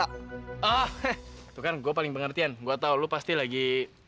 ah heh tuh kan gue paling pengertian gue tau lo pasti lagi